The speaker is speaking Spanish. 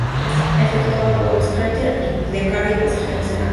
Efectuaba vuelos chárter de carga y pasajeros en Angola.